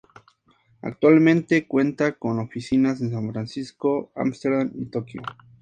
Actualmente cuenta con oficinas en San Francisco, Amsterdam y Tokio.